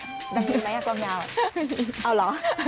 นำเงียบไหมกลองยาวเอ้าเหรอ